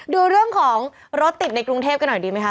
ดูเรื่องของรถติดในกรุงเทพกันหน่อยดีไหมค